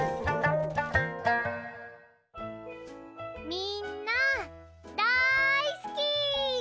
みんなだいすき！